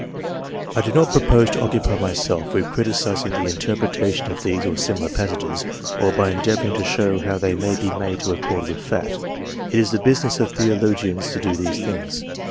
2 I do not propose to occupy myself with criticising the interpretation of these or similar passages, or by endea vouring to show how they may be made to accord with fact ; it is the business of theologians to do these things.